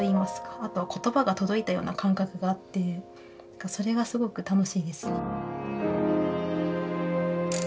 言葉が届いたような感覚があってそれがすごく楽しいです。